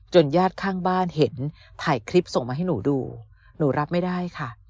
ญาติข้างบ้านเห็นถ่ายคลิปส่งมาให้หนูดูหนูรับไม่ได้ค่ะ